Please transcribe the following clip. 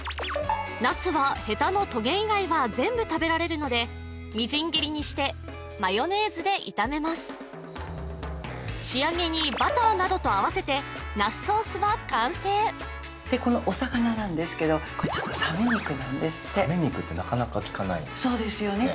茄子はへたのトゲ以外は全部食べられるのでみじん切りにしてマヨネーズで炒めます仕上げにバターなどと合わせて茄子ソースは完成でこのお魚なんですけどこれちょっとサメ肉なんですってサメ肉ってなかなか聞かないですよね